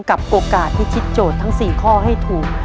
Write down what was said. กับโอกาสพิชิตโจทย์ทั้ง๔ข้อให้ถูก